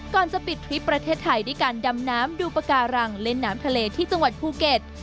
ก่อนจะปิดทริปประเทศไทยด้วยการดำน้ำดูปากการังเล่นน้ำทะเลที่จังหวัดภูเก็ต